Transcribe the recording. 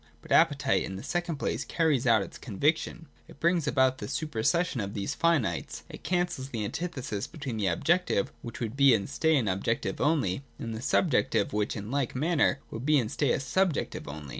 But appetite in the second place carries out its conviction. It brings about the supersession of these finites : it cancels the antithesis between the objective which would be and stay an ob jective only, and the subjective which in like manner would be and stay a subjective only.